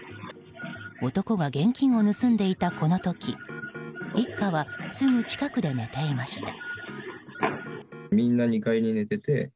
男が現金を盗んでいた、この時一家は、すぐ近くで寝ていました。